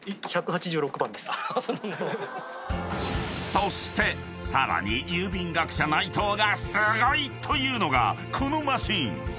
［そしてさらに郵便学者内藤がすごい！と言うのがこのマシン］